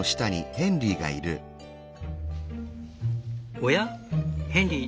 おやヘンリー